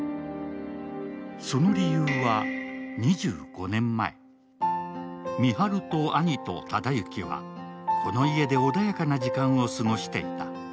その理由は、２５年前深春と兄と、忠之はこの家で穏やかな時間を過ごしていた。